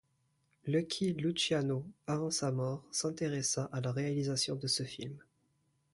Lucky Luciano, avant sa mort, s'intéressa à la réalisation de ce film.